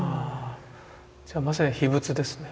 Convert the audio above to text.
じゃあまさに秘仏ですね。